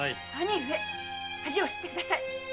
恥を知ってください。